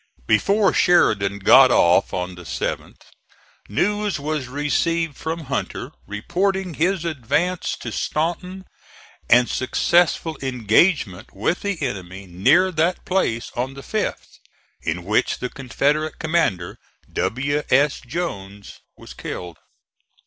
Before Sheridan got off on the 7th news was received from Hunter reporting his advance to Staunton and successful engagement with the enemy near that place on the 5th, in which the Confederate commander, W. S. Jones, was killed.